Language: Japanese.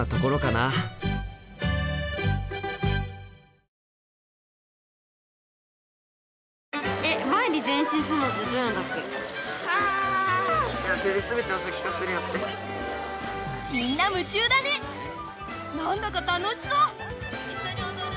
なんだか楽しそう！